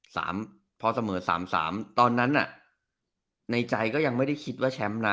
สามพอเสมอสามสามตอนนั้นน่ะในใจก็ยังไม่ได้คิดว่าแชมป์นะ